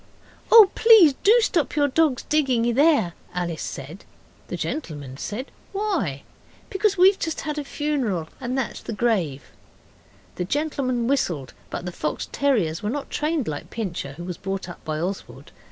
'Oh, please, do stop your dogs digging there!' Alice said. The gentleman said 'Why?' 'Because we've just had a funeral, and that's the grave.' The gentleman whistled, but the fox terriers were not trained like Pincher, who was brought up by Oswald.